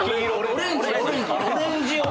オレンジ。